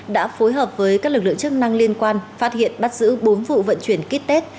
đã phối hợp với các lực lượng chức năng liên quan phát hiện bắt giữ bốn vụ vận chuyển kýt tết